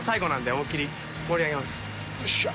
よっしゃ。